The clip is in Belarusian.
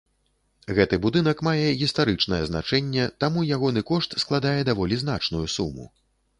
Гэты будынак мае гістарычнае значэнне, таму ягоны кошт складае даволі значную суму.